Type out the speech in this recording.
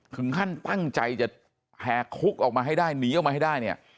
ถึงขั้นตั้งใจจะแหกคุกออกมาให้ได้หนีออกมาให้ได้เนี่ย